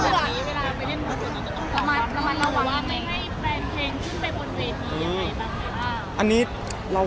ประมาณระวังให้แฟนเพลงขึ้นไปบนเวทีอย่างไรบ้าง